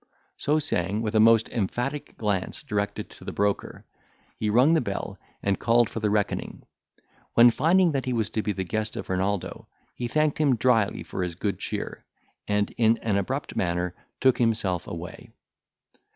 So saying, with a most emphatic glance directed to the broker, he rung the bell, and called for the reckoning; when, finding that he was to be the guest of Renaldo, he thanked him drily for his good cheer, and in an abrupt manner took himself away.